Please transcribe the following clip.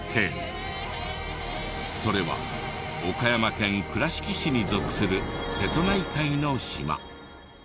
それは岡山県倉敷市に属する瀬戸内海の島。